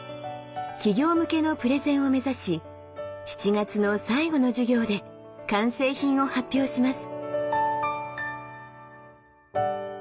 企業向けのプレゼンを目指し７月の最後の授業で完成品を発表します。